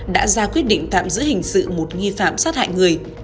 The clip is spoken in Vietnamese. đã ra quyết định tạm giữ hình sự một nghi phạm sát hại người